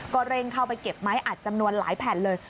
ก็เร่งเข้าไปเก็บไม้อัดจำนวนหลายแผ่นเลย